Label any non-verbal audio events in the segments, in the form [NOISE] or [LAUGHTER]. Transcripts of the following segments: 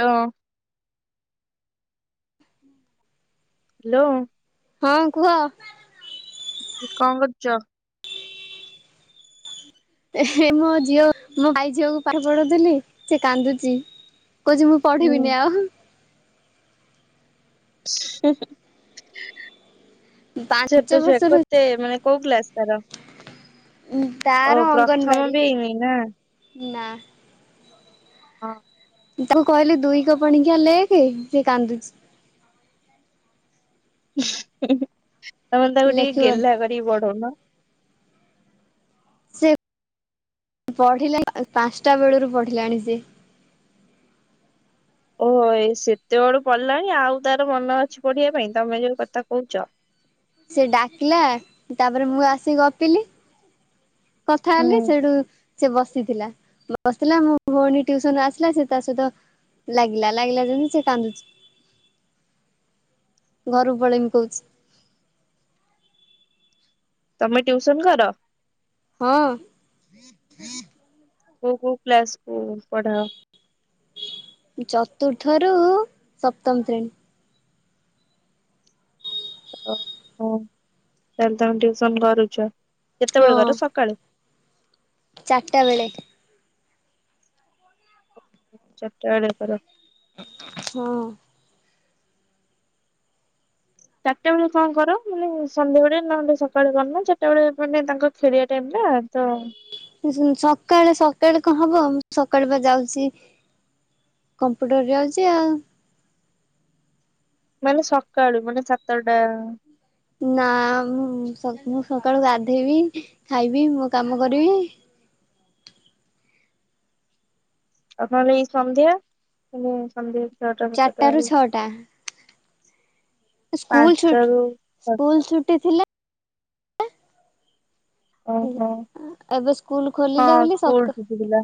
ହଁ ହୁଁ ହେଲୋ ହଁ କୁହ? କି କଣ କରୁଛ? ମୋ ଝିଅ ମୋ ଭାଇ ଝିଅକୁ ପାଠ ପଢଉଥିଲି ସେ କାନ୍ଦୁଚି। କହୁଛି ମୁଁ ହୁଁ ପଢିବିନି ଆଉ। [UNINTELLIGIBLE] ପାଞ୍ଚ ବର୍ଷରୁ ତେ ମାନେ କୋଉ କ୍ଲାସ ତାର। ଓ ତାର ପ୍ରଥମ ଅଙ୍ଗନବାଡି ବି ହେଇନି ନା ନା। ହଁ ତାକୁ କହିଲି ଦୁଇକ ପଣିକିଆ ଲେଖ ସିଏ କାନ୍ଦୁଛି। ତମେ ତାକୁ ଟିକେ ଲେଖିବନି। ଗେଲ୍ହା କରିକି ବଢଉନ। ସେ ପଢିଲା ପାଞ୍ଚଟା ବେଳରୁ ପଢିଲାଣି ସେ। ଓହୋ ଏ ସେତେବେଳୁ ପଡିଲାଣି ଆଉ ତାର ମନ ଅଛି ପଢିବା ପାଇଁ ତମେ ଯୋଉ କଥା କହୁଛ। ସେ ଡାକିଲା ତାପରେ ମୁଁ ଆସିିକି ଗପିଲି। କଥା ହେଲି ହୁଁ ସେଠୁ ସେ ବସିଥିଲା ବସଥିଲା ମୋ ଭଉଣୀ ଟିଉସନ ରୁ ଆସିଲା ସେ ତା ସହିତ ଲାଗିଲା ଲାଗିଲା ଯେମିତି ସେ କାନ୍ଦୁଛି। ଘରୁ ପଳେଇମି କହୁଛି। ତମେ ଟ୍ୟୁସନ କର? ହଁ କୋଉ କୋଉ କ୍ଲାସକୁୁ ପଢାଅ? ଚତୁର୍ଥରୁ ସପ୍ତମ ଶ୍ରେଣୀ। ହ ତାଲେ ତମେ ଟିଉସନ କରୁଛ ହଁ। କେତେବେଳେ କର ସକାଳେ? ଚାରିଟା ବେଳେ। ଚାରଟା ବେଳେ କର। ହଁ ଚାରିଟା ବେଳେ କଣ କର ମାନେ ସନ୍ଧ୍ୟାବେଳେ ନହେଲେ ସକାଳେ କରୁନ ଚାରିଟା ବେଳେ ମାନେ ତାଙ୍କ ଫେରିବା ଟାଇମ୍ ଟା‌ ତ ସକାଳେ ସକାଳେ କଣ ହବ ମୁଁ ସକାଳେ ପା ଯାଉଛି। କମ୍ପ୍ୟୁଟର ଯାଉଛି ଆଉ। ମାନେ ସକାଳୁ ମାନେ ସାତଟା। ନା ମୁଁ ମୁଁ ସକାଳୁ ଗାଧୋଇବି ଖାଇବି ମୋ କାମ କରିବି। ଆଉ ତାହାଲେ ଏଇ ସନ୍ଧ୍ୟା ସନ୍ଧ୍ୟା ଛଅଟା ଚାରିଟା ସାତଟା ରୁ ବେଳକୁ। ସ୍କୁଲଛୁ ରୁ ସ୍କୁଲ ଛୁଟି ଥିଲେ। ଓହୋ ଏବେ ସ୍କୁଲ ହଁ ଖୋଲିଲା ବୋଲି ସ୍କୁଲ ସକାଳୁ ଛୁଟି ଥିଲା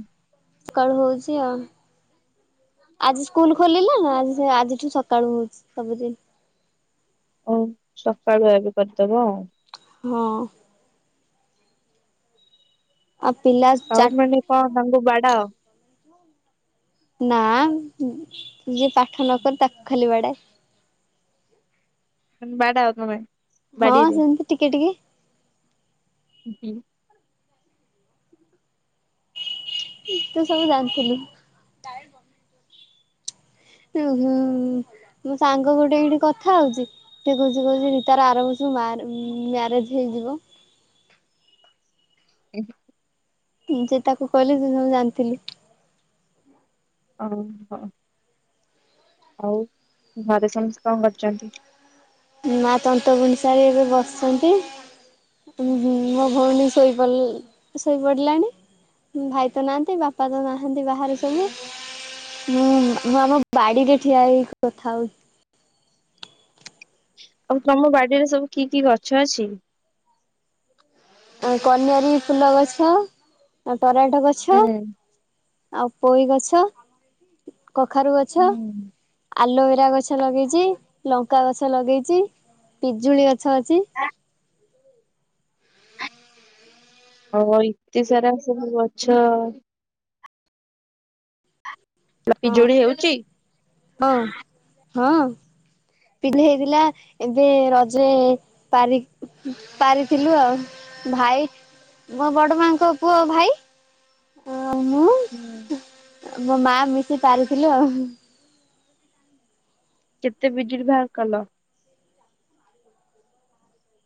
ସକାଳୁ ହୋଉଛି ଆଉ। ଆଜି ସ୍କୁଲ ଖୋଲିଲା ନା ଆଜିଠୁ ସକାଳୁ ହୋଉଛି ସବୁଦିନ। ଓ ସକାଳୁଆ ଆଜି କରିଦବ ଆଉ। ହଁ। ଆଉ ପିଲା ସାଉଥ୍ ଚାରିଟା ମାନେ କଣ ତାଙ୍କୁ ବାଡାଅ। ନାଁ ଯିଏ ପାଠ ନକରେ ତାକୁ ଖାଲି ବାଡାଏ। ବାଡାଅ ତମେ। ହଁ ବାଡିରେ? ସେମିତି ଟିକେ ଟିକେ। ଉଁ। ତୁ ସବୁ ଜାଣିଥିଲୁ। ଉୁଁ ହୁଁ ମୋ ସାଙ୍ଗ ଗୋଟେ ଏଇଠି କଥା ହୋଉଚି। ସେ କହୁଛି କହୁଛି ତାର ଆରବରଷକୁ ମ୍ୟାରେଜ ହେଇଯିବ। [UNINTELLIGIBLE] ଯେ ତାକୁ କହିଲି ଯେ ସବୁ ଜାଣିଥିଲୁ। ଓହୋ। ଆଉ ଘରେ ସମସ୍ତେ କଣ କରୁଚନ୍ତି? ମା ତନ୍ତବୁଣି ସାରି ଏବେ ବସିଛନ୍ତି। ମୋ ଭଉଣୀ ଶୋଇପ ଶୋଇପଡ଼ିଲାଣି। ଭାଇ ତ ନାହାଁନ୍ତି ବାପା ତ ନାହାଁନ୍ତି ବାହାରେ ସବୁ। ମୁଁ ମୁଁ ଆମ ବାଡିରେ ଠିଆ ହେଇକି କଥା ହୋଉଛି। ଆଉ ତମ ବାଡିରେ ସବୁ କି କି ଗଛ ଅଛି। କନିଅରୀ ଫୁଲ ଗଛ ତରାଟ ଗଛ। ଆଉ ପୋଇ ଗଛ, କଖାରୁ ଗଛ, ହୁଁ ଆଲୋଭେରା ଗଛ। ଗଛ ଲଗେଇଛି ଲଙ୍କା ଗଛ ଲଗେଇଛି ପିଜୁଳି ଗଛ ଅଛି। ହଁ ହୋଉ ଏତେ ସାରା ସବୁ ଗଛ ହେଲା ହଁ ପିଜୁଳି ହେଉଛି। ହଁ ହଁ। [UNINTELLIGIBLE] ହେଇଥିଲା ଏବେ ରଜରେ ପାରିକି ପାରିଥିଲୁ ଆଉ ଭାଇ ମୋ ବଡ ମାଙ୍କ ପୁଅ ଭାଇ ହଁ ମୁଁ ହୁଁ। ମୋ ମା ମିଶି ପାରିଥିଲୁ ଆଉ। କେତେ ପିଜୁଳି ବାହାର କଲ?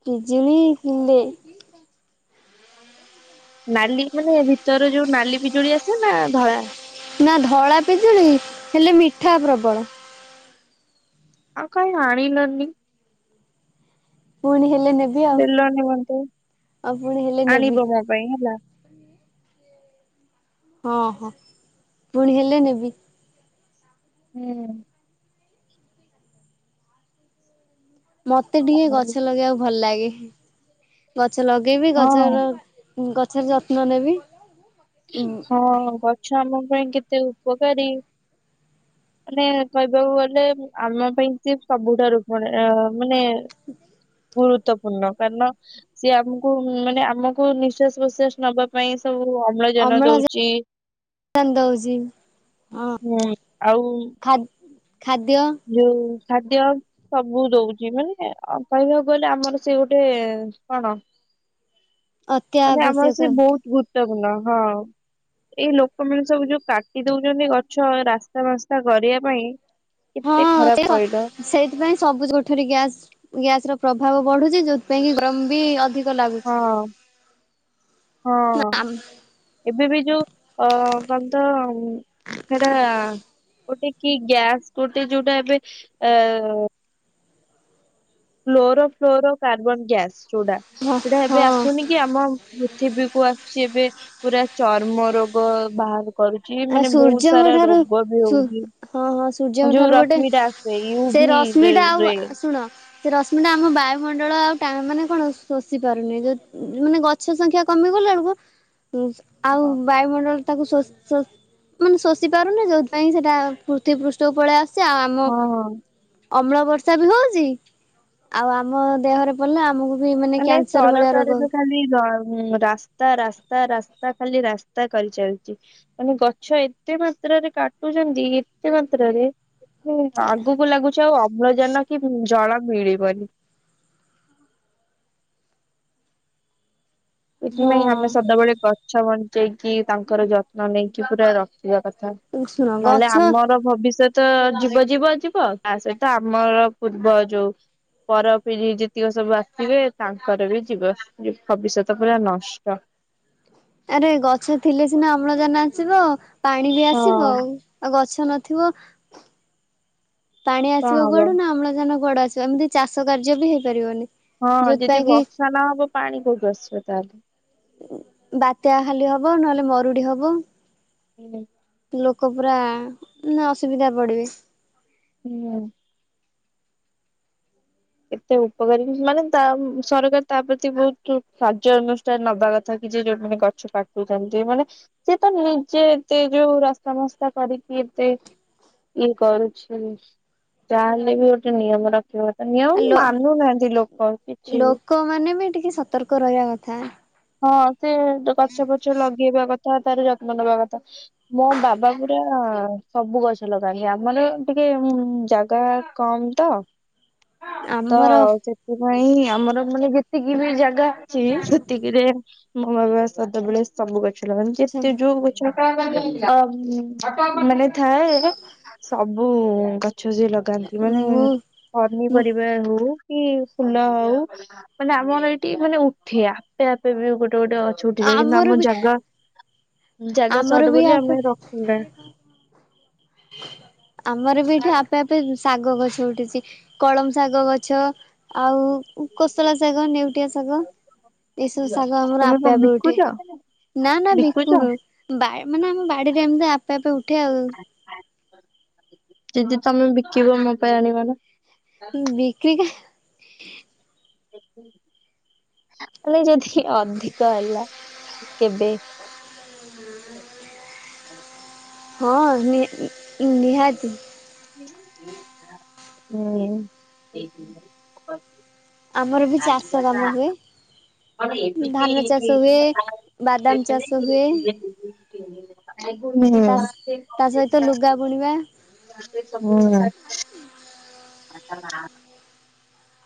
ପିଜୁଳି କିିଲେ। ନାଲି ମାନେ ଭିତର ଯୋଉ ନାଲି ପିଜୁଳି ଆସେ ନା ଧଳା। ନାଁ ଧଳା ପିଜୁଳି ହେଲେ ମିଠା ପ୍ରବଳ। ଆଉ କାଇଁ ଆଣିଲନି। ପୁଣି ହେଲେ ନେବି। ଆଉ ଦେଲନି ମୋତେ ଆଉ ପୁଣି ହେଲେ ନେବି ଆଣିବ ମୋ ପାଇଁ ହେଲା। ହଁ ହଁ ପୁଣି ହେଲେ ନେବି। ହୁଁ ହୁଁ ମତେ ଟିକେ ଆଉ ଗଛ ଲଗେଇବାକୁ ଭଲ ଲାଗେ ଗଛ ଲଗେଇବି ହଁ ଗଛର ଗଛର ଯତ୍ନ ନେବି। ହଁ ଗଛ ଆମପାଇଁ କେତେ ଉପକାରୀ? ମାନେ କହିବାକୁ ଗଲେ ଆମ ପାଇଁ ସିଏ ସବୁଠାରୁ ବଢିଆ। ମାନେ ଗୁରୁତ୍ୱପୂର୍ଣ୍ଣ କାରନ ସିଏ ଆମକୁ ମାନେ ଆମକୁ ନିଶ୍ୱାସ ପ୍ରଶ୍ୱାସ ନବାପାଇଁ ସବୁ ଅ ଅମ୍ଳଜାନ ଦଉଚି ଦଉଛି ହଁ ହୁଁ ଆଉ ଖା ଖାଦ୍ୟ ଯଉ ଖାଦ୍ୟ ସବୁ ଦଉଚି ମାନେ କହିବାକୁ ଗଲେ ଆମର ସିଏ ଗୋଟେ କଣ? ଅତି ମାନେ ଆମର ଆବଶ୍ୟକ ସିଏ ବହୁତ ଗୁରୁତ୍ୱପୂର୍ଣ୍ଣ ହଁ। ଏଇ ଲୋକମାନେ ସବୁ ଯୋଉ କାଟି ଦଉଛନ୍ତି ଗଛ ରାସ୍ତା ଫାସ୍ତା କରିବା ପାଇଁ ହଁ କେତେ ଖରାପ ସେଇରାକ କହିଲ ସେଇ ସେଥିପାଇ ସବୁଜ କୋଠରୀ ଗ୍ୟାସ ଗ୍ୟାସର ପ୍ରଭାବ ବଢୁଚି ଯୋଉଥିପାଇଁକି ଗରମବି ଅଧି ହଁ ହଁ ଏତେବି ଯୋଉ ଅ କଣତ ସେଟା ଗୋଟେ କି ଗ୍ୟାସ ଗୋଟେ ଯୋଉଟା ଏବେ ଏ କ୍ଲେରୋ ଫ୍ଲୋରୋ କାର୍ବନ ଗ୍ୟାସ୍ ଯୋଉଟା ସେଟା ଏବେ ଆସୁନି କି ଆମ ପୃଥିବୀକୁ ଆସୁଛି ଏବେ ପୁରା ଚର୍ମ ରୋଗ ବାହାର କରୁଚି ହଁ ମାନେ ବହୁତ ସୂର୍ଯ୍ୟଙ୍କ ସାରା ଠାରୁ ରୋଗବି ହଁ ହଁ ହଉଛି ସୂର୍ଯ୍ୟଙ୍କ ଯୋଉ ଠାରୁ ଗୋଟେ ରଶ୍ମିଟା ସେ ସେଇଉଭି ଡ୍ରେ ରଶ୍ମିଟା ଆଉ ଡ୍ରେ ଶୁଣ ସେ ରଶ୍ମିଟା ଆମ ବାୟୁମଣ୍ଡଳ ଆଉ ଟାଣ ମାନେ କଣ ଶୋଷିପାରୁନି ଯଉ ମାନେ ଗଛ ଗଛ ସଂଖ୍ୟା କମିଗଲା ବେଳକୁ [UNINTELLIGIBLE] ଆଉ ବାୟୁମଣ୍ଡଳଟାକୁ ଶୋଷ ଶୋଷ ମାନେ ଶୋଷି ପାରୁନି ଯୋଉଥିପାଇଁକି ସେଟା ପୃଥିବୀ ପୃଷ୍ଠକୁ ପଳେଇ ଆସୁଛି ଆଉ ହଁ ଆମ ଅମ୍ଳ ବର୍ଷାବି ହଉଚି ଆଉ ଆମ ଦେହରେ ପଡିଲେ ଆମକୁ ବି ମାନେ କ୍ୟାନସର ଭଳିଆ ରୋଗ ସରକାରୀତ ଖାଲି ର ରାସ ରାସ୍ତା ରାସ୍ତା ରାସ୍ତା ଖାଲି ରାସ୍ତା କରିଚାଲିଚି। ମାନେ ଗଛ ଏତେ ମାତ୍ରାରେ କାଟୁଚନ୍ତି ଏତେ ମାତ୍ରାରେ ହୁଁ ଆଗକୁ ଲାଗୁଛି ଆଉ ଅମ୍ଳଜାନକି ଜଳ ମିଳିବନି। ଏଥିପାଇଁ ଆମେ ହଁ ସଦାବେଳେ ଗଛ ବଞ୍ଚେଇକି ତାଙ୍କର ଯତ୍ନ ନେଇକି ପୁରା ରଖିବା କଥା। ଶୁଣ ନହେଲେ ଗଛ ଆମର ଭବିଷ୍ୟତ ଯିବ ଯିବ ଯିବ ତାସହିତ ଆମର ପୂର୍ବ ଯୋଉ ପର ପିଢି ଯେତିକ ସବୁ ଆସିଥିବେ ତାଙ୍କରବି ଯିବ ଭବିଷ୍ୟତ। ତ ପୁରା ନଷ୍ଟ। ଆରେ ଗଛ ଥିଲେସିନା ଅମ୍ଳଜାନ ଆସିବ ପାଣିବି ଆସିବ ଆଉ ଆଉ ଗଛ ନଥିବ। ପାଣି କଣ ଆସିବ ହବ କୁଆଡୁନା ଅମ୍ଳଜାନ କୁଆଡୁ ଆସିବ ଏମିତି ଚାଷ କାର୍ଯ୍ୟବି ହେଇପାରିବନି। ହଁ ଯଦି ଯୋଉଥିପାଇଁ କି ବର୍ଷା ନହବ ପାଣି କୋଉଠୁ ଆସିବ ତାହେଲେ। ବାତ୍ୟା ଖାଲି ହବ ନହେଲେ ମରୁଡି ହବ। ହୁଁ ଲୋକ ପୁରା ମାନେ ଅସୁବିଧା ପଡିବେ ହୁଁ। ଏତେ ଉପକାରୀ ମାନେ ତା ସରକାର ତା ପ୍ରତି ବହୁତ ସାହାଯ୍ୟ ଅନୁଷ୍ଠାନ ନବା କଥା କି ଯେ ଯୋଉମାନୋନେ ଗଛ କାଟୁଛନ୍ତି ମାନେ ସେ ତ ନିଜେ ଏତେ ଯୋଉ ରାସ୍ତା ମସ୍ତା କରିକି ଏତେ ଇଏ କରୁଛିନ୍ତି ତାହେଲେ ବି ଗୋଟେ ନିୟମ ରଖିବା କଥା ଆ ନିୟମ ମାନୁନାହାନ୍ତି ଲୋକ କିଛି ବି। ଲୋକ ମାନେ ବି ଟିକେ ସତର୍କ ରହିବା କଥା। ହଁ ସେ ଗଛ ଫଛ ଲଗେଇବା କଥା ତାର ଯତ୍ନ ନବା କଥା ମୋ ବାବା ପୁରା ସବୁ ଗଛ ଲଗାନ୍ତି ଆମର ଟିକେ ହୁଁ ହୁଁ ଜାଗା କମ୍ ତ ଆମର ସେଥିପାଇଁ ଆମର ମାନେ ଯେତିକି ବି ଜାଗା ଅଛି। ଏତିକିରେ ମୋ ବାବା ସଦାବେଳେ ସବୁ ଗଛ ଲଗାନ୍ତି ଯେତେ ଯୋଉଁ ଗଛ। [UNINTELLIGIBLE] ହଁ ମାନେ ଥାଏ। ସବୁ ଗଛ ସେଏ ଲଗାନ୍ତି ମାନେ ମୁଁ ମୁଁ ପନିପରିବା ହଉ କି ଫୁଲ ହଉ ମାନେ ଆମର ଏଇଠି ମାନେ ଉଠିଆ ଆପେ ଆପେ ବି ଗୋଟେ ଗୋଟେ ଗଛ ଉଠିଯାଏ କିନ୍ତୁ ଆମର ଆମ ବି ଜାଗା ଜାଗା ଆମର ସଟ ବି ବୋଲି ଆପେ ଆମେ ରଖୁନା। ଆମର ବି ଏଠି ଆପେ ଆପେ ଶାଗ ଗଛ ଉଠିଛି କଳମ ଶାଗ ଗଛ ଆଉ କୋସଳା ଶାଗ ନେଉଟିଆ ଶାଗ। ଏସବୁ ଶାଗ ଆମର ତମେ କଣ ଆପେ ଆପେ ବିକୁଛ ଉଠେ ନା ନା ବିକୁଛ ବିକୁନୁ ବା ମାନେ ଆମ ବାଡିରେ ଏମିତି ଆପେ ଆପେ ଉଠେ ଆଉ ଯିଦି ତମେ ବିକିବ ମୋ ପାଇଁ ଆଣିବ ନା ଉଁ ବିକ୍ରି [UNINTELLIGIBLE] ଦେଖି ହେଲା ରହେ ଯଦି ଅଧିକ ହେଲା କେବେ [UNINTELLIGIBLE] ହଁ ନିଁ ନିହାତି [UNINTELLIGIBLE] ଆମର ବି ଚାଷ କାମ ହୁଏ। କଣ ଏମିତି ଧାନ ଚାଷ ହୁଏ ବାଦାମ ଚାଷ ହୁଏ [UNINTELLIGIBLE] [UNINTELLIGIBLE] ତା ଉଁ ତା ସହିତ [UNINTELLIGIBLE] ଲୁଗା ବୁଣିବା [UNINTELLIGIBLE] ହୁଁ [UNINTELLIGIBLE] [UNINTELLIGIBLE] ଆ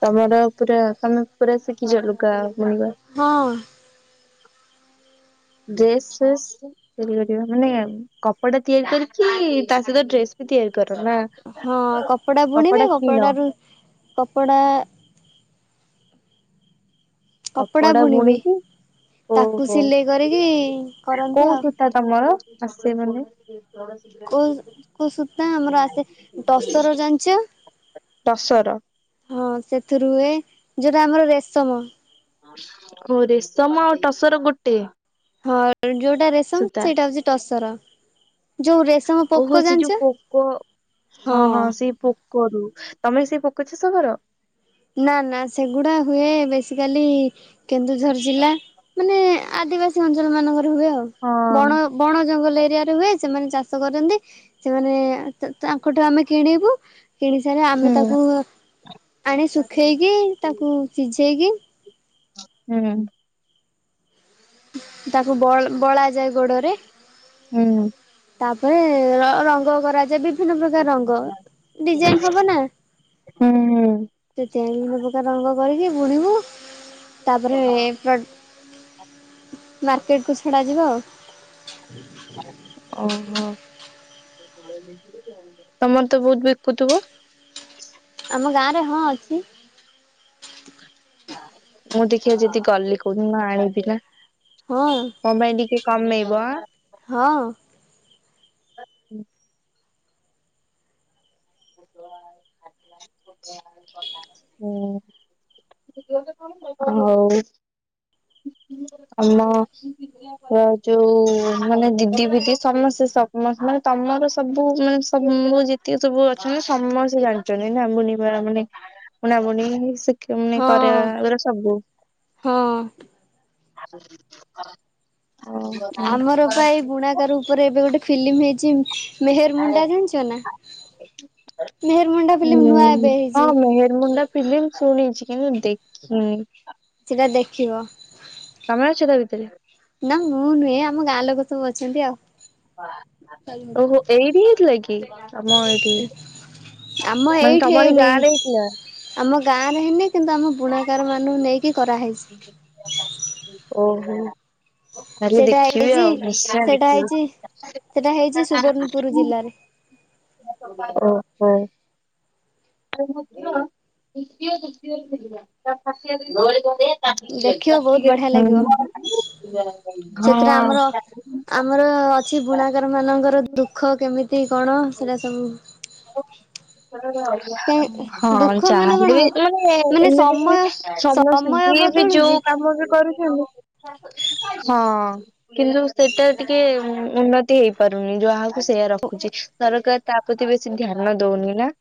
ତମର ପୁରା ତମେ ପୁରା ଶିଖିଚ ଲୁଗା ବୁଣିବା। ହଁ। ଡ୍ରେସ ଫ୍ରେସ ତିଆରି କରି ରଖିବା ମାନେ କପଡା ତିଆରି କରିକି ତା ସହିତ ଡ୍ରେସ୍ ବି ତିଆରି କର ନା। ହଁ କପଡା ବୁଣିବେ କପଡାରୁ କପଡା କପଡ଼ା କପଡା ବୁଣିବେ ବୁଣିକି ତାକୁ ଓହୋ ସିଲେଇ କରିକି କରନ୍ତି କୋଉ ଆଉ। ସୂତା ତମର ହଁ ଆଉ ସେମାନେ [UNINTELLIGIBLE] କୋଉ କୋଉ ସୂତା ଆମର ଆସେ ଟସର ଜାଣିଞ୍ଚ। ଟସର ହଁ ସେଥିରୁ ହୁଏ ଯୋଉଟା ଆମର ରେଶମ ଓ ରେଶମ ଆଉ ଟସର ଗୋଟେ। ହଁ ଯେଉଁଟା ରେଶମ ସୂତା ସେଇଟା ହେଉଚି ଟସର। ଯୋଉ ରେଶମ ଓହୋ ପୋକ ଜାଣିଛ? ସେଯୋଉ ପୋକ ହଁ ହଁ ସେ ପୋ କରୁ ତମେ ସେପୋକ ଚାଷ କର? ନା ନା ସେଗୁଡ଼ା ହୁଏ ବେସିକାଲି କେନ୍ଦୁଝର ଜିଲ୍ଲା ମାନେ ଆଦିବାସୀ ଅଞ୍ଚଳ ମାନଙ୍କରେ ହୁଏ ଆଉ ହଁ ବଣ ବଣ ଜଙ୍ଗଲ ଏରିଆରେ ହୁଏ ସେମାନେ ଚାଷ କରନ୍ତି ସେମାନେ ତାଙ୍କଠୁ ଆମେ କିଣିବୁ କିଣି ସାରି ହୁଁ ଆମେ ତାକୁ ଆଣି ଶୁଖେଇକି ତାକୁ ସିଝେଇକି ହୁଁ। ତାକୁ ବ ବଳା ଯାଏ ଗୋଡ଼ରେ ହୁଁ। ତାପରେ ର ରଙ୍ଗ କରାଯାଏ ବି ବିଭିନ୍ନ ପ୍ରକାର ରଙ୍ଗ ଡିଜାଇନ୍ ହବନା ହୁଁ ହୁଁ ସେଥିପାଇଁ ବିଭିନ୍ନ ପ୍ରକାର ରଙ୍ଗ କରିକି ବୁଣିବୁ ତାପରେ ପ୍ର ମାର୍କେଟକୁ ଛଡ଼ା ଯିବ ଆଉ। ଓହୋ। ତମରତ ବହୁତ୍ ବିକୁଥିବ? ଆମ ଗାଁରେ ହଁ ଅଛି। ମୁଁ ଦେଖିଆ ଯଦି ଗଲି କଉଦିନ ଆଣିବିନା। ହଁ ମୋ ପାଇଁ ଟିକେ କମେଇବ ଆଁ। ହଁ। [UNINTELLIGIBLE] ହୁଁ ଆଉ ଆମ ଯୋଉ ମାନେ ଦିଦି ଫିଦି ସମସ୍ତେ ସମସ୍ତେ ମାନେ ତମର ସବୁ ମାନେ ସମୁ ଯେତିକି ସବୁ ଅଛନ୍ତି ସମସ୍ତେ ଜାଣିଚନ୍ତିନା ବୁଣିବା ମାନେ ବୁଣା ବୁଣି ଶିକୁଣି ହଁ କରିବା ଏରା ସବୁ। ହଁ। [UNINTELLIGIBLE] ଓହୋ। ତାର ଉପରେ ଏବେ ଗୋଟେ ଫିଲ୍ମ ହେଇଚି ମେହେର ମୁଣ୍ଡା ଜାଣିଚନା? ହୁଁ ଏବେ ହେଇଛି କଣ ମେହେର୍ ମୁୁଣ୍ଡା ଫିଲିମ୍ ଶୁଣିଚି କିନ୍ତୁ ଦେଖିନି। ସେଟା ଦେଖିବ। ତମେ ଅଛ ତାଭିତରେ? ନା ମୁଁ ନୁହେଁ ଆମ ଗାଁଲୋକ ସବୁ ଅଛନ୍ତି ଆଉ। ଓହୋ ଏଇଠି ହେଇଥିଲାକିି ତମ ଏ ଟି ଆମ ମାନେ ଏଇଠି ତମରି ହେଇନି। ଗାଁରେ ହେଇଥିଲା। ଆମ ଗାଁରେ ହେଇନି କିନ୍ତୁ ଆମ ବୁଣାକାର ମାନଙ୍କୁ ନେଇକି କରାହେଇଛି। ଓହୋ। ତାହେଲେ ସେଇଟା ଦେଖିବି ହେଇଛି ଆଉ ନିଶ୍ଚୟ ସେଇଟା ହେଇଛି ଦେଖିବି। ସେଟା ହେଇଛି ସୁବର୍ଣ୍ଣପୁର ଜିଲ୍ଲାରେ ଓହୋ। [UNINTELLIGIBLE] [UNINTELLIGIBLE] ଦେଖିବ ବହୁତ ବଢିଆ ଲାଗିବ ହୁଁ। ହଁ। ସେଥିରେ ଆମର ଆମର ଅଛି ବୁଣାକାର ମାନଙ୍କର ଦୁଃଖ କେମିତି କଣ ସେରା ସବୁ କାଇଁ ହଁ ଦୁଃଖ ମାନେ କଣ ଚାହାଲେବି ମାନେ ଏମିତି ସମୟ ସମସ୍ତେ ସମୟ ଯିଏ ବି ଯୋଉ ବଦଳୁଛି କାମ ବି କରୁଛନ୍ତି ହଁ କିନ୍ତୁ ସେଟା ଟିକେ ଉନ୍ନତି ହେଇପାରୁନି ଯାହାକୁ ସେୟା ରଖୁଛି ସରକାର ତା ପ୍ରତିବି ଛି ଧ୍ୟାନ ଦଉନି ନା। [UNINTELLIGIBLE]